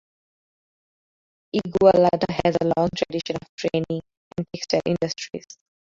Igualada has a long tradition of tanning and textile industries.